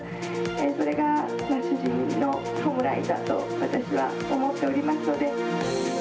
それが主人の弔いだと私は思っておりますので。